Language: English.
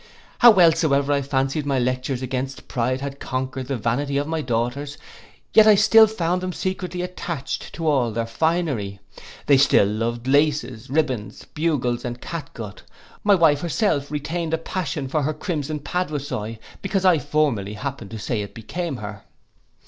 How well so ever I fancied my lectures against pride had conquered the vanity of my daughters; yet I still found them secretly attached to all their former finery: they still loved laces, ribbands, bugles and catgut; my wife herself retained a passion for her crimson paduasoy, because I formerly happened to say it became her.